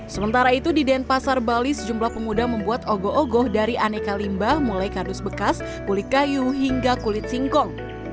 sementara itu di denpasar bali sejumlah pemuda membuat ogo ogoh dari aneka limbah mulai kardus bekas kulit kayu hingga kulit singkong